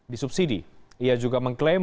disubsidi ia juga mengklaim